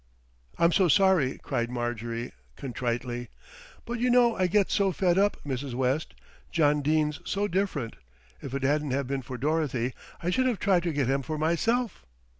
"I'm so sorry," cried Marjorie contritely; "but you know I get so fed up, Mrs. West. John Dene's so different. If it hadn't have been for Dorothy, I should have tried to get him for myself.